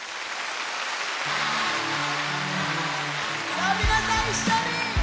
さあ皆さん一緒に！